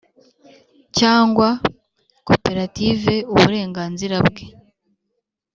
cyangwa koperative uburenganzira bwe